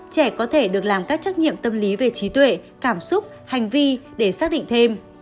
trẻ có thể được làm các trách nhiệm tâm lý về trí tuệ cảm xúc hành vi để xác định thêm